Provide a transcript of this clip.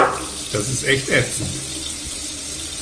Das ist echt ätzend.